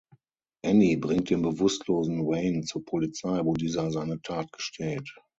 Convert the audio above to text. Annie bringt den bewusstlosen Wayne zur Polizei, wo dieser seine Tat gesteht.